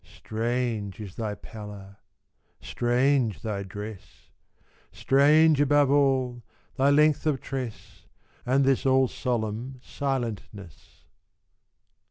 Strange is thy pallor; strange thy dress; Strange, above all, thy length of tress, And this all solemn silentness!